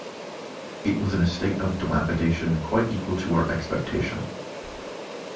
It was in a state of dilapidation quite equal to our expectation.